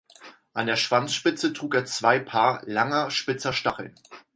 An der Schwanzspitze trug er zwei Paar langer, spitzer Stacheln.